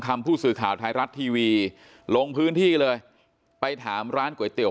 ผู้สื่อข่าวไทยรัฐทีวีลงพื้นที่เลยไปถามร้านก๋วยเตี๋ย